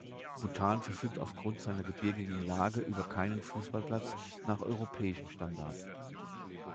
Bhutan verfügt aufgrund seiner gebirgigen Lage über keinen Fußballplatz nach europäischem Standard.